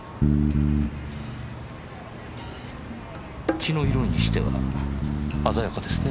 血の色にしては鮮やかですね。